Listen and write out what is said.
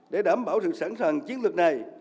để đảm bảo sự sẵn sàng chiến lược này